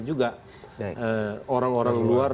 juga orang orang luar